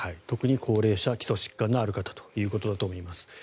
特に高齢者基礎疾患のある方ということだと思います。